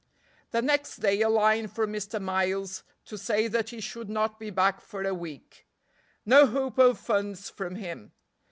The next day a line from Mr. Miles to say that he should not be back for a week. No hope of funds from him.